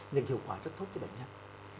những hiệu quả rất tốt cho bệnh nhân